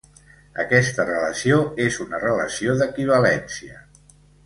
Aquesta relació és una relació d'equivalència.